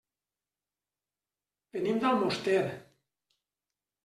Venim d'Almoster.